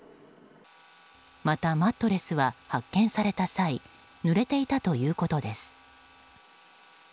また、マットレスは発見された際ぬれていたということです。